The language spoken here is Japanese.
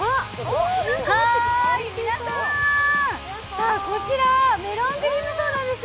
皆さん、こちらメロンクリームソーダです。